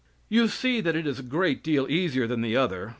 You see that it is a great deal easier than the other.